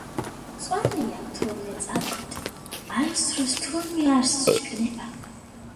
მწვანეა თურმე წალკოტი არასდროს თურმე არ სჭკნება.